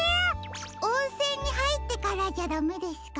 おんせんにはいってからじゃダメですか？